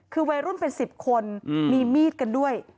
คือวัยรุ่นเป็น๑๐คนมีมีดกันด้วย